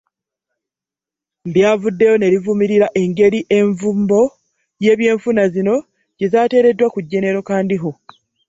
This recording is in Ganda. Lyavuddeyo ne livumirira engeri envumbo y'ebyenfuna zino gye zaateereddwa ku Genero Kandiho.